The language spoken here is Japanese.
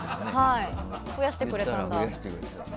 増やしてくれたんだ。